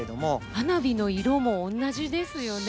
花火の色もおんなじですよね。